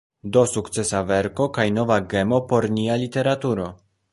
Do sukcesa verko, kaj nova gemo por nia literaturo.